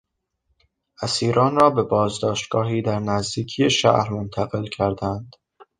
اسیران را به بازداشتگاهی در نزدیکی شهر منتقل کردند.